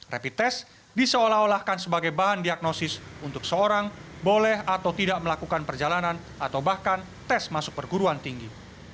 rapid test diseolah olahkan sebagai bahan diagnosis untuk seorang boleh atau tidak melakukan perjalanan atau bahkan tes masuk perguruan tinggi